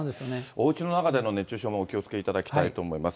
おうちの中での熱中症もお気をつけいただきたいと思います。